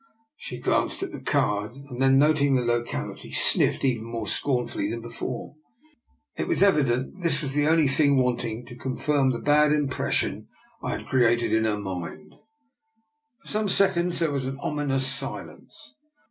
She glanced at the card, and, noting the locality, sniffed even more scornfully than before. It was evident that this was the only thing wanting to confirm the bad impression DR. NIKOLA'S EXPERIMENT. 29 I had created in her mind. For some sec onds there was an ominous silence.